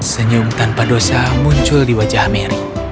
senyum tanpa dosa muncul di wajah mary